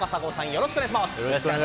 よろしくお願いします。